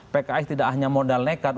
pks tidak hanya modal nekat